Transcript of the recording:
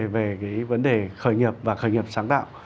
về vấn đề khởi nghiệp và khởi nghiệp sáng tạo